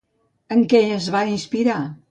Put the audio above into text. En què es va inspirar?